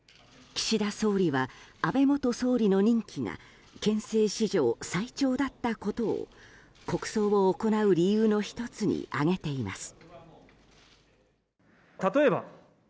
岸田総理は安倍元総理の任期が憲政史上最長だったことを国葬を行う理由の１つに挙げています。